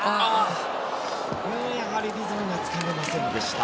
やはりリズムがつかめませんでした。